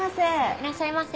いらっしゃいませ。